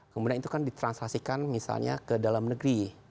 kemudian itu kan ditransaksikan misalnya ke dalam negeri